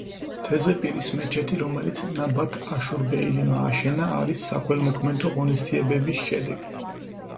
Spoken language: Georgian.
თეზეპირის მეჩეთი, რომელიც ნაბათ აშურბეილიმ ააშენა არის საქველმოქმედო ღონისძიებების შედეგი.